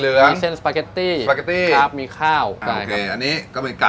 มีเช่นสปาเก็ตตี้สปาเก็ตตี้ครับมีข้าวได้ครับอันนี้ก็มีไก่